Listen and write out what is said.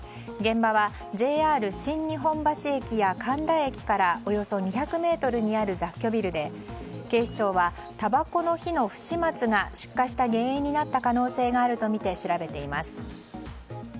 現場はＪＲ新日本橋駅や神田駅からおよそ２００ｍにある雑居ビルで警視庁は、たばこの火の不始末が出火した原因になった可能性があるとみて調べています。